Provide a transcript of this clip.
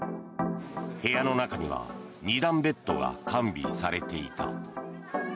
部屋の中には２段ベッドが完備されていた。